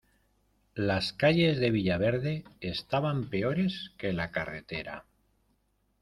Las calles de villaverde estaban peores que la carretera.